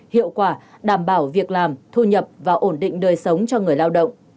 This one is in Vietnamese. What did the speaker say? hiệu quả đảm bảo việc làm thu nhập và ổn định đời sống cho người lao động